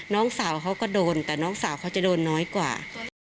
น้องสาวเขาก็โดนแต่น้องสาวเขาจะโดนน้อยกว่า